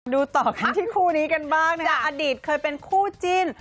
ดูต่อกันที่คู่นี้กันบ้างนะคะอดีตเคยเป็นคู่จิ้น